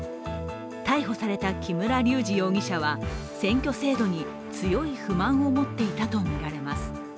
逮捕された木村隆二容疑者は選挙制度に強い不満を持っていたとみられます。